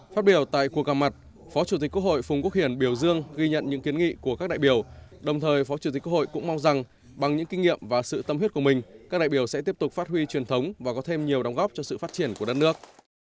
phát biểu tại cuộc gặp mặt phó chủ tịch quốc hội phùng quốc hiển biểu dương ghi nhận những kiến nghị của các đại biểu đồng thời phó chủ tịch quốc hội cũng mong rằng bằng những kinh nghiệm và sự tâm huyết của mình các đại biểu sẽ tiếp tục phát huy truyền thống và có thêm nhiều đóng góp cho sự phát triển của đất nước